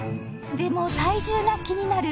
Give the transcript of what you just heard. でも体重が気になる